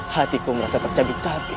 hatiku merasa tercabik cabik